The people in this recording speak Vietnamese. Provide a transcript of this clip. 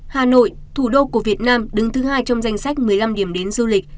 hà nội thủ đô của việt nam đứng thứ hai trong danh sách một mươi năm điểm đến du lịch